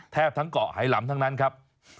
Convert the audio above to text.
ทั้งเกาะไหลำทั้งนั้นครับ